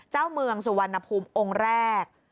เจ้าเมืองสุวรรณภูมิองค์แรก